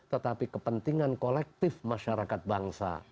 tetapi kepentingan kolektif masyarakat bangsa